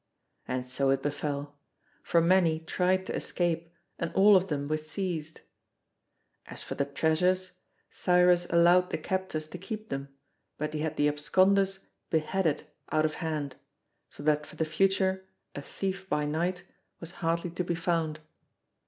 And so it befell; for many tried to escape, and all of them were seized. As for the treasures, Cyrus allowed the captors to keep them, but he had the absconders beheaded out of hand, so that for the future a thief by night was hardly to be found.